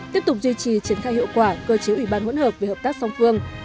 tiếp tục duy trì triển khai hiệu quả cơ chế ủy ban hỗn hợp về hợp tác song phương